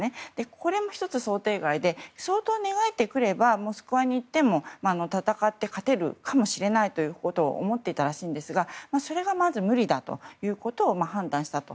これも１つ想定外で相当、寝返ってくればモスクワにいても戦って勝てるかもしれないということを思っていたらしいですがそれがまず無理だということを判断したと。